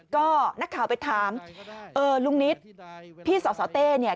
ก็นักข่าวไปถามเออลุงนิดพี่สสเต้เนี่ย